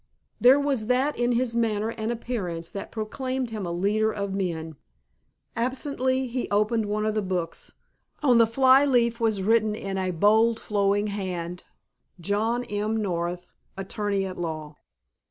There was that in his manner and appearance that proclaimed him a leader of men. Absently he opened one of the books. On the fly leaf was written in a bold flowing hand, "John M. North, Attorney at Law."